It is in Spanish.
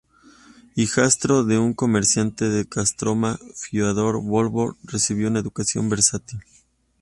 Hijastro de un comerciante de Kostromá, Fiódor Vólkov recibió una educación versátil.